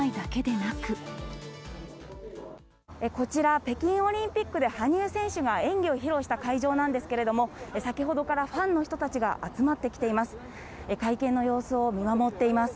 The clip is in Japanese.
こちら、北京オリンピックで羽生選手が演技を披露した会場なんですけれども、先ほどからファンの人たちが集まってきています。